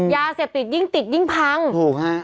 ยาเสพติดยิ่งติดยิ่งพังถูกฮะ